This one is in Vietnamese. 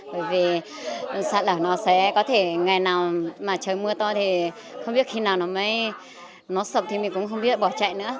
bởi vì sạt lở nó sẽ có thể ngày nào mà trời mưa to thì không biết khi nào nó mới nó sập thì mình cũng không biết bỏ chạy nữa